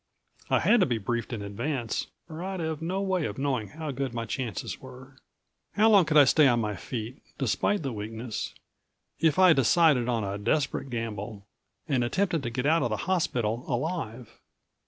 I had to be briefed in advance, or I'd have no way of knowing how good my chances were. How long could I stay on my feet, despite the weakness, if I decided on a desperate gamble and attempted to get out of the hospital alive?